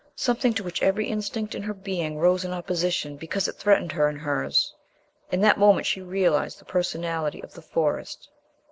something to which every instinct in her being rose in opposition because it threatened her and hers. In that moment she realized the Personality of the Forest...